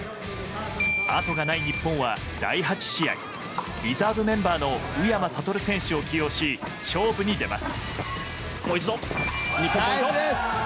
あとがない日本は第８試合リザーブメンバーの宇山賢選手を起用し勝負に出ます。